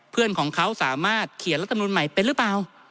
เพื่อนของเขาสามารถเขียนรัฐมนุนใหม่เป็นหรือเปล่า